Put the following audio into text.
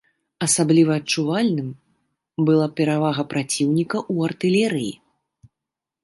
Асабліва адчувальным была перавага праціўніка ў артылерыі.